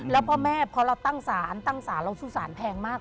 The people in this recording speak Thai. แล้วพ่อแม่พอเราตั้งศาลตั้งศาลเราสู้สารแพงมาก